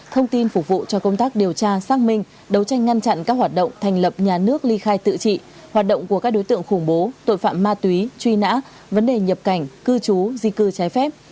thông tin phục vụ cho công tác điều tra xác minh đấu tranh ngăn chặn các hoạt động thành lập nhà nước ly khai tự trị hoạt động của các đối tượng khủng bố tội phạm ma túy truy nã vấn đề nhập cảnh cư trú di cư trái phép